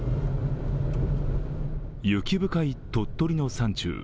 雪深い鳥取の山中。